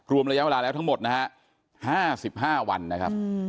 รวมระยะเวลาแล้วทั้งหมดนะฮะ๕๕วันนะครับ